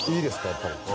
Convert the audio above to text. やっぱり。